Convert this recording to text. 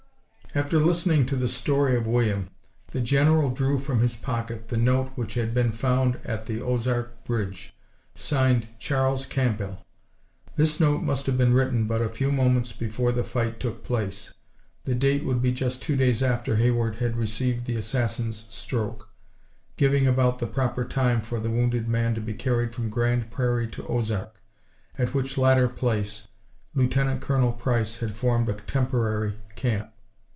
] After listening to the story of William, the General drew from his pocket the note which had been found at the Ozark bridge, signed "Charles Campbell." This note must have been written but a few moments before the fight took place. The date would be just two days after Hayward had received the assassin's stroke, giving about the proper time for the wounded man to be carried from Grand Prairie to Ozark, at which latter place Lieutenant Colonel Price had formed a temporary camp.